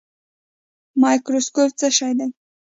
مایکروسکوپ څه شی دی؟